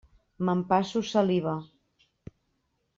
M'empasso saliva.